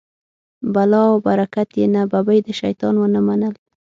بلا وه او برکت یې نه، ببۍ د شیطان و نه منل.